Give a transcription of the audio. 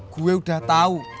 gue udah tau